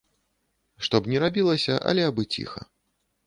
Што б ні рабілася, але абы ціха.